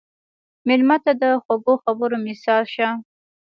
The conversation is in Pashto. مېلمه ته د خوږو خبرو مثال شه.